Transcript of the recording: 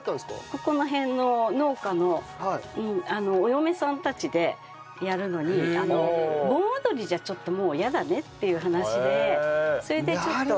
ここら辺の農家のお嫁さんたちでやるのに盆踊りじゃちょっともうやだねっていう話でそれでちょっと。